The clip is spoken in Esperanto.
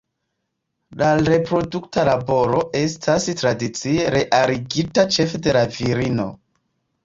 La reprodukta laboro estas tradicie realigita ĉefe de la virino.